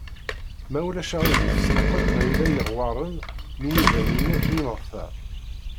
Ma ulac aɣilif senqed ma yella iɣewwaṛen n umiḍan-inek d imeɣta.